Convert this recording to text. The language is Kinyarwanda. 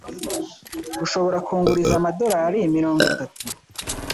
Ushobora kunguriza amadorari mirongo itatu?